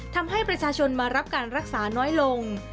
ทำให้ประชาชนมารับการรักษาน้อยลง